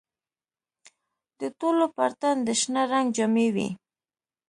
د ټولو پر تن د شنه رنګ جامې وې.